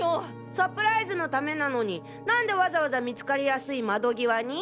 サプライズのためなのになんでわざわざ見つかりやすい窓際に？